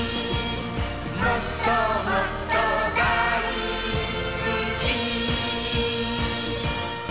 「もっともっとだいすき」